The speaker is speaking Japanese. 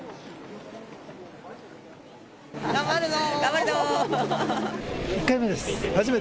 頑張るぞ。